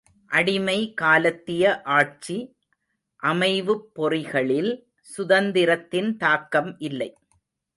அடிமை காலத்திய ஆட்சி அமைவுப் பொறிகளில் சுதந்திரத்தின் தாக்கம் இல்லை.